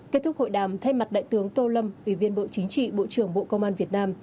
kết thúc hội đàm thay mặt đại tướng tô lâm ủy viên bộ chính trị bộ trưởng bộ công an việt nam